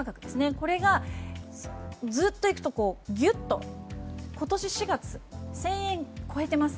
これが、ずっといくとぎゅっと今年４月１０００円を超えています。